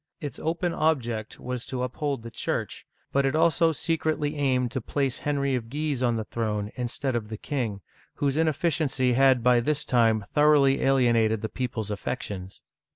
Its open object was to up hold the Church, but it also secretly aimed to place Henry of Guise on the throne instead of the king, whose ineffi ciency had by this time thoroughly alienated the people's affections.